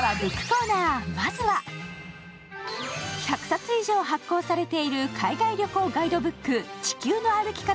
１００冊以上発行されている海外旅行ガイドブック、「地球の歩き方」